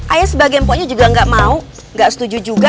ayah sebagai empoknya juga gak mau gak setuju juga